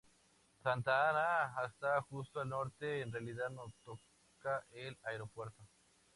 Santa Ana está justo al norte, en realidad no toca el aeropuerto.